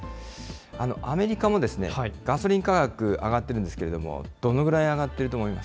アメリカもガソリン価格上がってるんですけれども、どのぐらい上がってると思います？